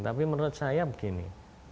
tapi menurut saya begini